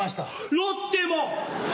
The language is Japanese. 「ロッテ」も。